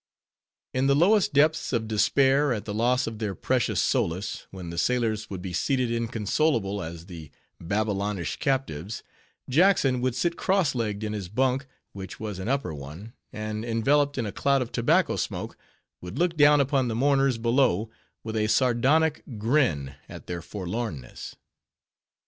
In the lowest depths of despair at the loss of their precious solace, when the sailors would be seated inconsolable as the Babylonish captives, Jackson would sit cross legged in his bunk, which was an upper one, and enveloped in a cloud of tobacco smoke, would look down upon the mourners below, with a sardonic grin at their forlornness.